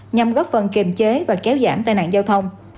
nhằm góp phần kiềm chế và kéo giảm tai nạn giao thông